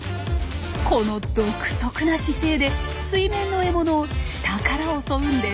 この独特な姿勢で水面の獲物を下から襲うんです。